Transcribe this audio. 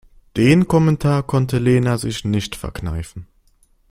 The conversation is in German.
Den Kommentar konnte Lena sich nicht verkneifen.